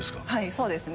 そうですね。